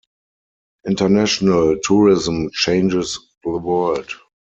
International Tourism changes the world.